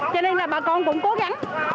cho nên là bà con cũng cố gắng